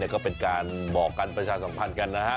ก็เป็นการบอกกันประชาสัมพันธ์กันนะฮะ